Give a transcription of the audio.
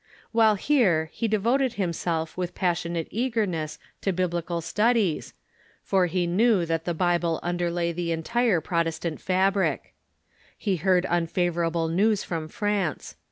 While here he devoted him self with passionate eagerness to Biblical studies, for he knew that the Bible underlay the entire Protestant fabric. He heard unfavorable news from France.